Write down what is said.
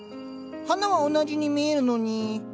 花は同じに見えるのに。